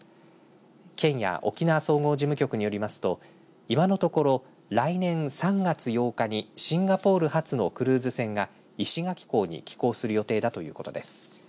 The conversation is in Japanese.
県や沖縄総合事務局によりますと今のところ来年３月８日にシンガポール発のクルーズ船が石垣港に寄港する予定だということです。